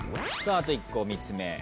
さああと１個３つ目。